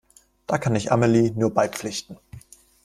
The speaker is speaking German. Da kann ich Amelie nur beipflichten.